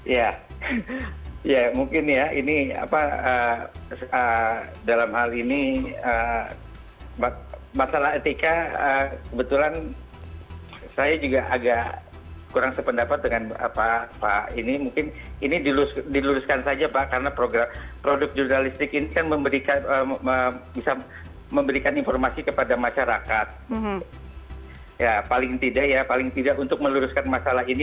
ya ya mungkin ya ini apa dalam hal ini masalah etika kebetulan saya juga agak kurang sependapat dengan pak ini